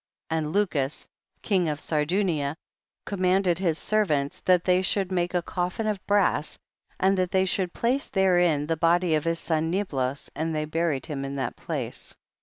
25. And Lucus king of Sardunia commanded his servants that they should make a coffin of brass, and that they should place therein the body of his son Niblos, and they buried him in that place.